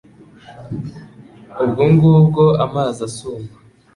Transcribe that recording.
ubwo ngubwo amazi asuma